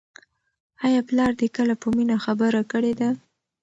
آیا پلار دې کله په مینه خبره کړې ده؟